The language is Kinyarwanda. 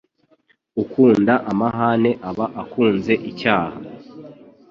Ukunda amahane aba akunze icyaha